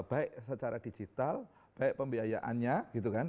baik secara digital baik pembiayaannya gitu kan